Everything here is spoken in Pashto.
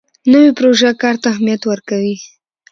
نوې پروژه کار ته اهمیت ورکوي